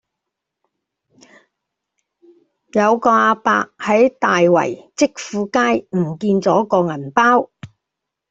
有個亞伯喺大圍積富街唔見左個銀包